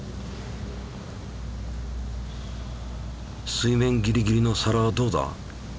水面ギリギリの皿はどうだ？